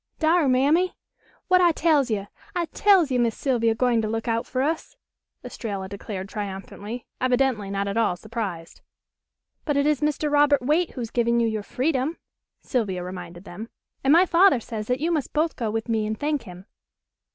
"Dar, Mammy! Wat I tells yo'? I tells yo' Missy Sylvia gwine to look out fer us," Estralla declared triumphantly, evidently not at all surprised. "But it is Mr. Robert Waite who has given you your freedom," Sylvia reminded them, "and my father says that you must both go with me and thank him."